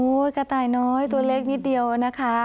กระต่ายน้อยตัวเล็กนิดเดียวนะคะ